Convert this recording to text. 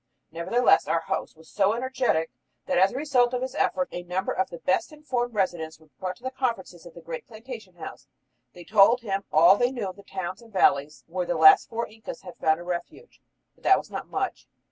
Nevertheless, our host was so energetic that as a result of his efforts a number of the best informed residents were brought to the conferences at the great plantation house. They told all they knew of the towns and valleys where the last four Incas had found a refuge, but that was not much.